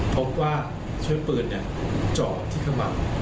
เพราะเมื่อชีวิตปืนจอกที่เข้ามา